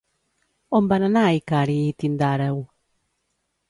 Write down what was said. On van anar Icari i Tindàreu?